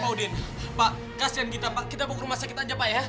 pak udin pak kasihan kita pak kita buka rumah sakit aja pak ya